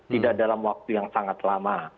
tidak dalam waktu yang sangat lama